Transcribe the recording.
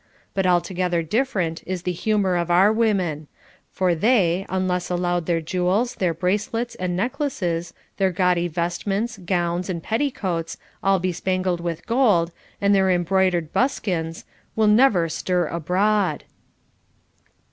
But altogether different is the humor of our women ; for they, unless allowed their jewels, their bracelets, and necklaces, their gaudy vestments, gowns, and petticoats, all bespangled with gold, and their embroidered buskins, will never stir abroad.